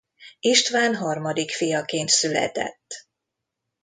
István harmadik fiaként született.